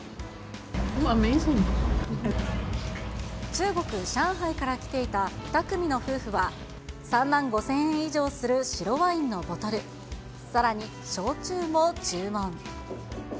中国・上海から来ていた２組の夫婦は、３万５０００円以上する白ワインのボトル、さらに焼酎も注文。